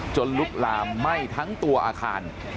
ลุกลามไหม้ทั้งตัวอาคาร